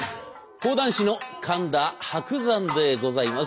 講談師の神田伯山でございます。